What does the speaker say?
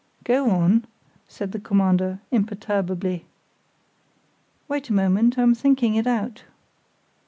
"Go on," said the Commander, imperturbably. "Wait a moment; I'm thinking it out."